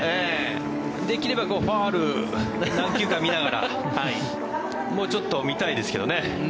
できればファウルで何球か見ながらもうちょっと見たいですけどね。